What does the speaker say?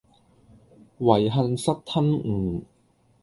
遺恨失吞吳